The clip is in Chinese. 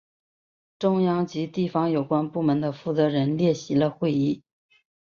中央及地方有关部门的负责人列席了会议。